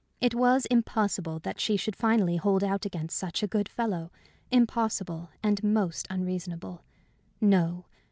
It was impossible that she should finally hold out against such a good fellow impossible, and most unreasonable. No.